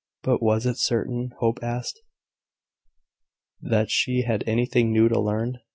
But was it certain, Hope asked, that she had anything new to learn?